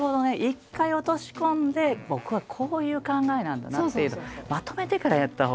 一回落とし込んで僕はこういう考えなんだなというのをまとめてからやったほうが。